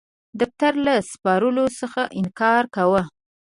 دفتر له سپارلو څخه انکار کاوه.